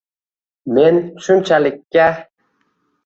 Men shunchalikka